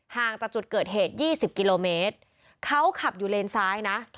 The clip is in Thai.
ห่างจากจุดเกิดเหตุ๒๐กิโลเมตรเขาขับอยู่เลนซ้ายนะ